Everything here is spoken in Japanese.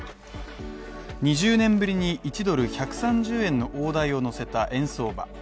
２０年ぶりに１ドル＝１３０円の大台を乗せた円相場。